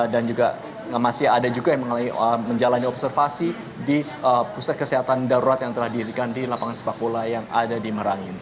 dan juga masih ada juga yang menjalani observasi di pusat kesehatan darurat yang telah dihilangkan di lapangan sepak bola yang ada di merangin